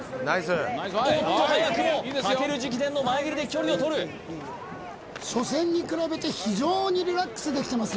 おっと早くも武尊直伝の前蹴りで距離をとる初戦に比べて非常にリラックスできてますよ